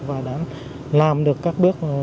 và đã làm được các bước